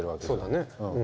そうだね。